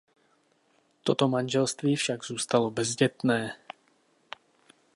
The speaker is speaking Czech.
Toto manželství však zůstalo bezdětné.